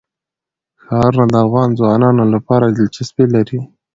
ښارونه د افغان ځوانانو لپاره دلچسپي لري.